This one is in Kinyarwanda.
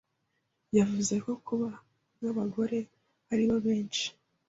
yavuze ko kuba nk’abagore aribo benshi